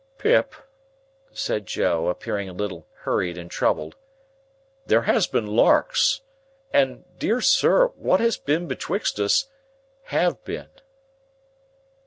"Pip," said Joe, appearing a little hurried and troubled, "there has been larks. And, dear sir, what have been betwixt us—have been."